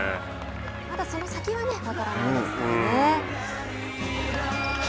まだその先は分からないですからね。